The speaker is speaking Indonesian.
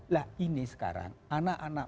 lah ini sekarang anak anak